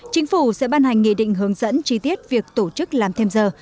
chính phủ sẽ ban hành nghị định hướng dẫn chi tiết việc tổ chức làm thêm giờ